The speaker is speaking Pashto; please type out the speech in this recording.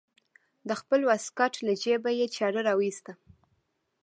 د خپل واسکټ له جيبه يې چاړه راوايسته.